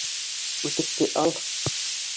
Үтекте ал!